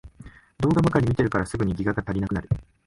動画ばかり見てるからすぐにギガが足りなくなる